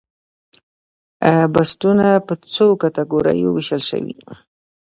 بستونه په څو کټګوریو ویشل شوي؟